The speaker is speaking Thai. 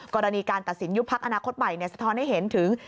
กรณีการตัดสินยุบพักอนาคตใหม่สะท้อนให้เห็นถึง